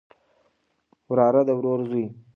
وراره د ورور زوی